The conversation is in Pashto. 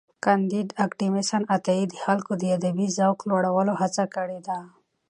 کانديد اکاډميسن عطایي د خلکو د ادبي ذوق لوړولو هڅه کړې ده.